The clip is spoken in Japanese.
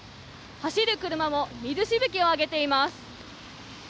走る車も水しぶきを上げています。